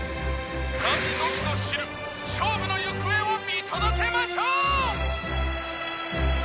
「神のみぞ知る勝負の行方を見届けましょう！」